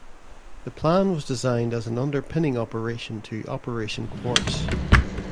The plan was designed as an underpinning operation to Operation Quartz.